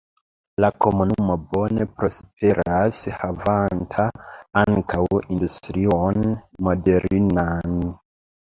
La komunumo bone prosperas havanta ankaŭ industrion modernan.